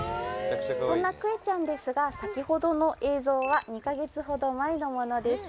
そんなくえちゃんですが先ほどの映像は２か月ほど前のものです